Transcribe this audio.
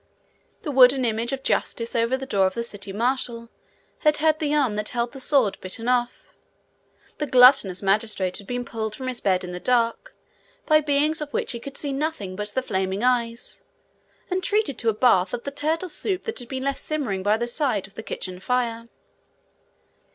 The wooden image of justice over the door of the city marshal had had the arm that held the sword bitten off. The gluttonous magistrate had been pulled from his bed in the dark, by beings of which he could see nothing but the flaming eyes, and treated to a bath of the turtle soup that had been left simmering by the side of the kitchen fire.